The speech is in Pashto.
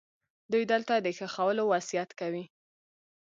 دوی دلته د ښخولو وصیت کوي.